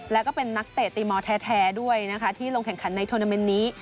แล้วก็เป็นนักเตะตีมอลแท้ด้วยนะคะที่ลงแข่งขันในทวนาเมนต์นี้